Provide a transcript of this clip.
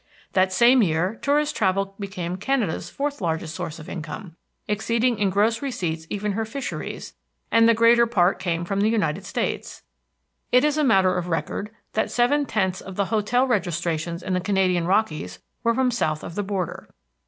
That same year tourist travel became Canada's fourth largest source of income, exceeding in gross receipts even her fisheries, and the greater part came from the United States; it is a matter of record that seven tenths of the hotel registrations in the Canadian Rockies were from south of the border.